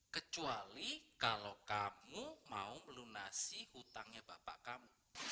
kecuali kalau kamu mau melunasi hutangnya bapak kamu